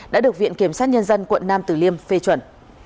đã được viện kiểm sát nhân dân quận nam tử liêm phê chuẩn